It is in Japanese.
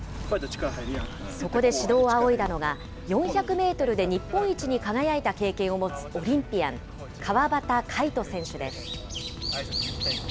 そこで指導を仰いだのが、４００メートルで日本一に輝いた経験を持つオリンピアン、川端魁人選手です。